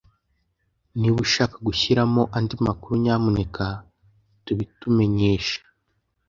Niba ushaka gushyiramo andi makuru, nyamuneka tubitumenyeshe.